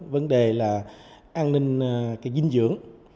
vấn đề là an ninh dinh dưỡng